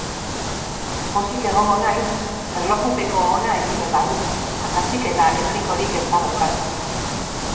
Pozik egongo naiz erlojupeko ona egiten badut, akatsik eta erorikorik ez badaukat.